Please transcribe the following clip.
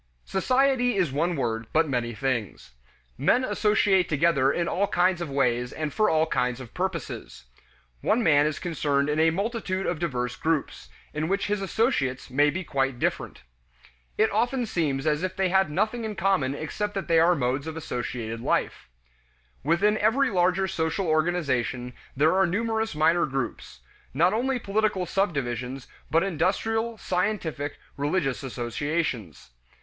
Society is one word, but many things. Men associate together in all kinds of ways and for all kinds of purposes. One man is concerned in a multitude of diverse groups, in which his associates may be quite different. It often seems as if they had nothing in common except that they are modes of associated life. Within every larger social organization there are numerous minor groups: not only political subdivisions, but industrial, scientific, religious, associations.